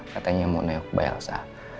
katanya mau neok mbak elsa